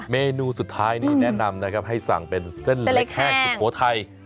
เมนูสุดท้ายนี่แนะนำนะครับให้สั่งเป็นเส้นเล็กแห้งสุโขทัย